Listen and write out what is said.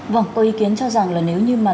vâng có ý kiến cho rằng là nếu như mà